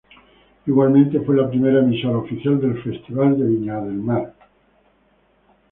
Igualmente fue la primera emisora oficial del Festival de Viña del Mar.